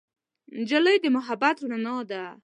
نجلۍ د محبت رڼا ده.